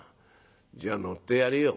じゃあ乗ってやるよ」。